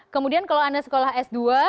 kemudian kalau anda sekolah s dua